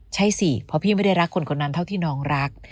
ใช่สิเพราะพี่ไม่ได้รักคนคนนั้นเท่าที่น้องรัก